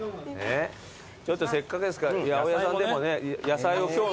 ちょっとせっかくですから野菜でも。